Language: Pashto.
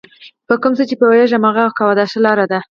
په کوم څه چې پوهېږئ هماغه کوئ دا ښه لار ده.